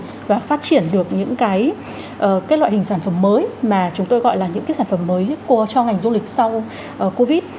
chúng ta không quá phụ thuộc những cái loại hình sản phẩm mới mà chúng tôi gọi là những cái sản phẩm mới cho ngành du lịch sau covid